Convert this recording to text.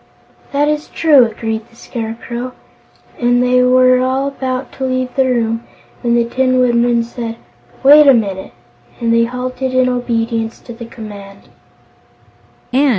"That is true," agreed the Scarecrow, and they were all about to leave the room when the Tin Woodman said: "Wait a minute," and they halted in obedience to the command.